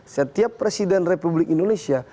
setiap presiden republik indonesia